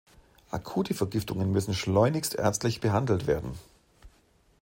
Akute Vergiftungen müssen schleunigst ärztlich behandelt werden.